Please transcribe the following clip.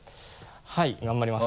はい頑張ります。